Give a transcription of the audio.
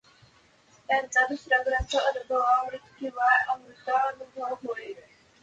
त्यांचा दुसरा ग्रंथ अनुभवामृत किंवा अमृतानुभव होय.